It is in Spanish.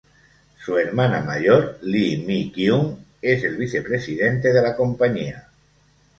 Su hermana mayor Lee Mi-kyung es el vicepresidente de la compañía.